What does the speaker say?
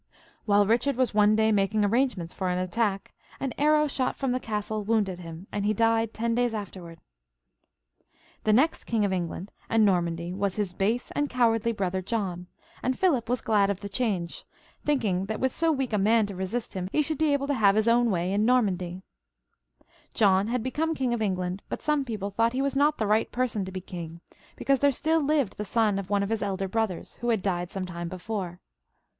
While Bichard was one day making arrange ments for an attack, an arrow shot from the castle wounded him, and he died ten days afterwards. The next King of England and Normandy was his base and cowardly brother John, and Philip was glad of the change, thinking that with so weak a man to resist him, he should be able to have his own way in Normandy. XVI.] PHI UP IL {AUGUSTE), 97 John had become King of England, but some ]^eople thought that he was not the right person to be king, be cause there still lived the son of one of his elder brothers, who had died some time before.